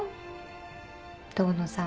遠野さんも。